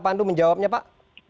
pandu menjawabnya pak